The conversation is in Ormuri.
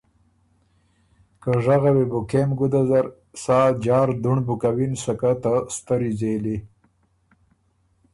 که ژغه وې بو کېم ګُده زر سا جار دُهنړ بُو کَوِن، سکه ته ستری ځېلی۔